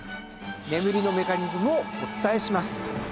眠りのメカニズムをお伝えします。